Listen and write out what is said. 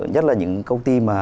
nhất là những công ty mà